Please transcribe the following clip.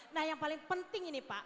nah yang paling penting ini pak